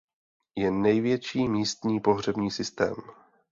Je největší místní pohřební systém.